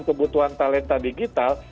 kebutuhan talenta digital